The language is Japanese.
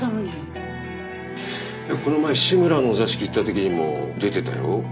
この前志むらのお座敷行ったときにも出てたよ。